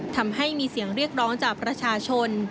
ทำให้มีเสียงเรียกร้องจากประชาชน